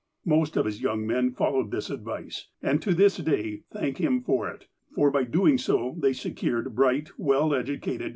Most of his young men followed this advice, and to this day thank him for it, for by so doing they secured bright, well educated.